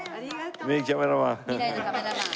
名キャメラマン。